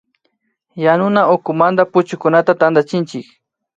Yanuna ukumanta puchukunata tantachinchik